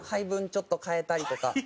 ちょっと変えたりとか。